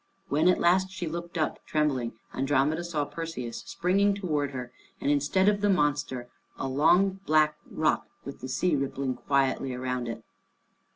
When at last she looked up trembling, Andromeda saw Perseus springing towards her, and instead of the monster, a long black rock, with the sea rippling quietly round it.